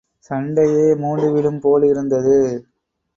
சண்டையே மூண்டு விடும் போல் இருந்தது.